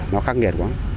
nó khắc nghẹt quá